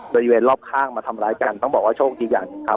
โดยเวียนรอบข้างมาทำร้ายกันต้องบอกว่าโชคดีอย่าง